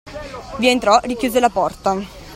Vi entrò, richiuse la porta.